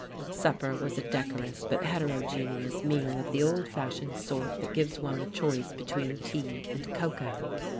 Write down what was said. Supper was a decorous but heterogeneous meal of the old fashioned sort that gives one the choice between tea and cocoa.